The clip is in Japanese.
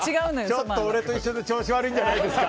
ちょっと俺と一緒で調子悪いんじゃないですか？